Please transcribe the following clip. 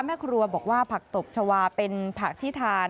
แม่ครัวบอกว่าผักตบชาวาเป็นผักที่ทาน